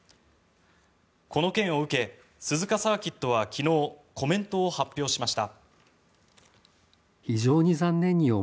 この件を受け、鈴鹿サーキットは昨日、コメントを発表しました。